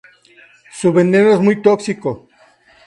Su veneno es muy tóxico.